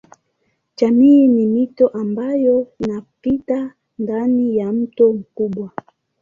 Jamii ni mito ambayo inapita ndani ya mto mkubwa.